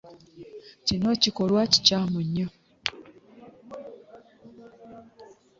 Kino kikolwa kikyamu nnyo.